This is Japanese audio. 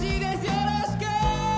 よろしく！